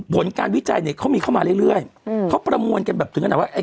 ผลการวิจัยเนี่ยเขามีเข้ามาเรื่อยเขาประมวลกันแบบถึงขนาดว่าไอ้